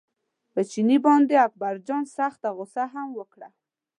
په چیني باندې اکبرجان سخته غوسه هم وکړه.